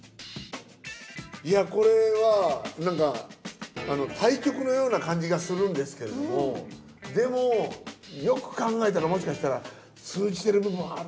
いやこれはなんか対極のような感じがするんですけれどもでもよく考えたらもしかしたら通じてる部分もあるんじゃないかな。